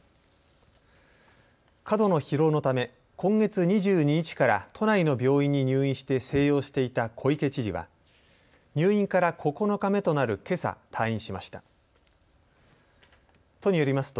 過度の疲労のため今月２２日から都内の病院に入院して静養していた小池知事は入院から９日目となるけさ、退院しました。